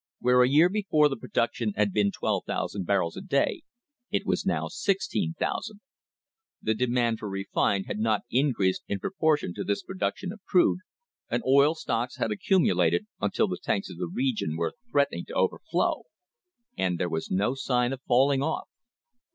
Where a year before the production had been 12,000 barrels a day, it was now 16,000. The demand for refined had not increased in proportion to this production of crude, and oil stocks had accumulated until the tanks of the region were threatening to overflow. And there was no sign of falling off.